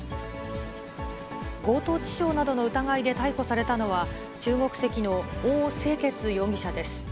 強盗致傷などの疑いで逮捕されたのは、中国籍の翁世杰容疑者です。